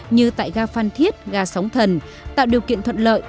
như tại ga phan thiết gà sóng thần tạo điều kiện thuận lợi